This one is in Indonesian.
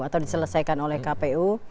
atau diselesaikan oleh kpu